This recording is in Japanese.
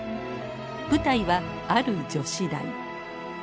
舞台はある女子大。